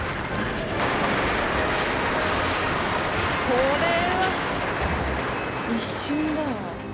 これは一瞬だわ。